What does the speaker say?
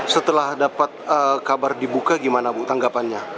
setelah dapat kabar dibuka gimana bu tanggapannya